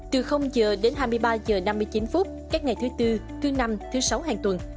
từ h hai mươi ba h năm mươi chín các ngày thứ bốn thứ năm thứ sáu hàng tuần